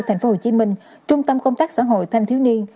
tp hcm trung tâm công tác xã hội thanh thiếu niên